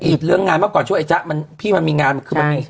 อีกเรื่องงานเมื่อก่อนช่วยไอ้จ๊ะมันพี่มันมีงานคือมันมี